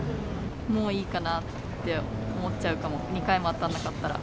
もういいかなって思っちゃうかも、２回も当たんなかったら。